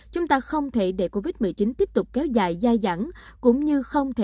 chúng ta không thể để covid một mươi chín tiếp tục kéo dài dài dẳng